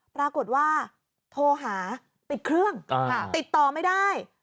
ปรากฏว่าโทรหาปิดเครื่องติดต่อไม่ได้